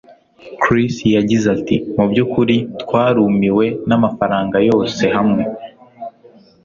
Chris yagize ati: "Mu byukuri twarumiwe namafaranga yose hamwe.